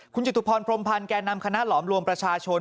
คุณจิตุพรพรมพันธ์แก่นำคณะหลอมรวมประชาชน